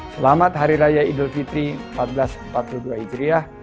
selamat hari raya idul fitri seribu empat ratus empat puluh dua hijriah